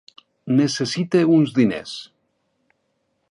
Necessito uns diners.